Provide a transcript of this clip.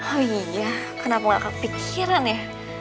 oh iya kenapa nggak kepikiran ya